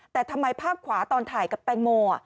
แต่ทำไมภาพขวาตอนถ่ายกับแตงโม